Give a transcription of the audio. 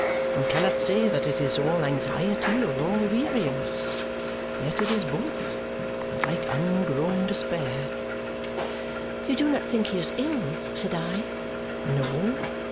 One cannot say that it is all anxiety or all weariness; yet it is both, and like ungrown despair." "You do not think he is ill?" said I. No.